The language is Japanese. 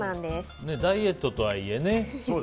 ダイエットとはいえね